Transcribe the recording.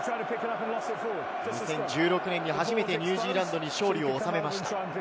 ２０１６年に初めてニュージーランドに勝利を収めました。